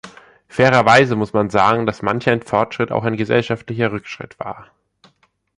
Fairerweise muss man sagen, dass manch ein Fortschritt auch ein gesellschaftlicher Rückschritt war.